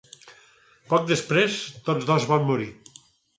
Poc després, tots dos van morir.